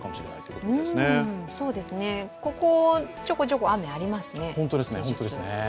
ここちょこちょこ雨、ありますね